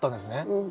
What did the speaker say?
うん。